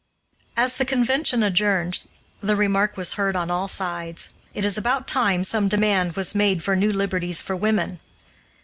As the convention adjourned, the remark was heard on all sides, "It is about time some demand was made for new liberties for women."